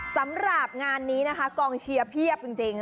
สำหรับงานนี้นะคะกองเชียร์เพียบจริง